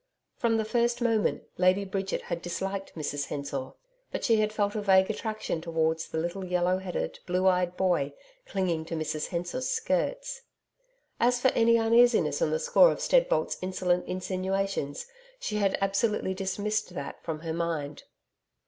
From the first moment, Lady Bridget had disliked Mrs Hensor. But she had felt a vague attraction towards the little yellow headed, blue eyed boy clinging to Mrs Hensor's skirts. As for any uneasiness on the score of Steadbolt's insolent insinuations, she had absolutely dismissed that from her mind.